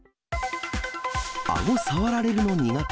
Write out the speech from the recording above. あご触られるの苦手。